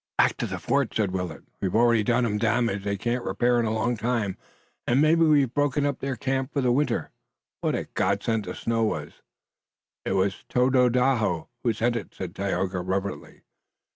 "Back to the fort!" said Willet. "We've already done 'em damage they can't repair in a long time, and maybe we've broken up their camp for the winter! What a godsend the snow was!" "It was Tododaho who sent it," said Tayoga, reverently.